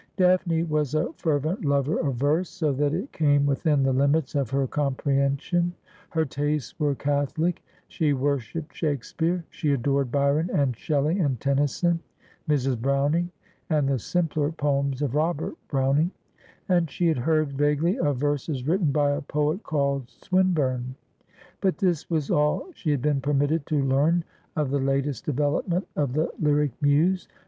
Daphne was a fervent lover of verse, so that it came within the limits of her comprehension. Her tastes were catholic ; she worshipped Shake speare ; she adored Byron and Shelley and Tennyson, Mrs. Browning, and the simpler poems of Robert Browning ; and she had heard vaguely of verses written by a poet called Swinburne ; but this was all she had been permitted to learn of the latest development of the lyric muse.